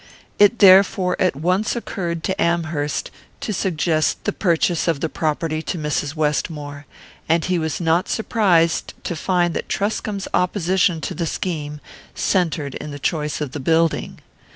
It therefore at once occurred to Amherst to suggest the purchase of the property to Mrs. Westmore; and he was not surprised to find that Truscomb's opposition to the scheme centred in the choice of the building.